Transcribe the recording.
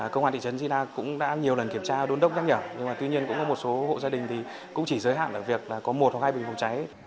công an thị trấn tri đông cũng đã nhiều lần kiểm tra đôn đốc nhắc nhở nhưng mà tuy nhiên cũng có một số hộ gia đình thì cũng chỉ giới hạn là việc có một hoặc hai bình phòng trái